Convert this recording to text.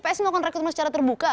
psi melakukan rekrutmen secara terbuka